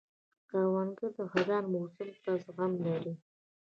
کروندګر د خزان موسم ته زغم لري